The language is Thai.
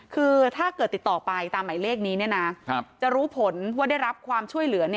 คือถ้าเกิดติดต่อไปตามหมายเลขนี้จะรู้ผลว่าได้รับความช่วยเหลือ